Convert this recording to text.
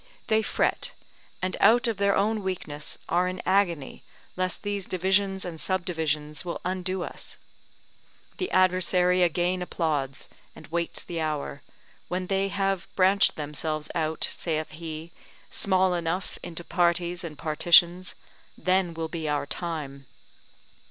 They fret, and out of their own weakness are in agony, lest these divisions and subdivisions will undo us. The adversary again applauds, and waits the hour: when they have branched themselves out, saith he, small enough into parties and partitions, then will be our time.